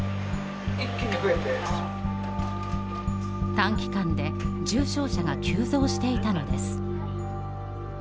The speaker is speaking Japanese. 短期間で重症者が急増していたのです。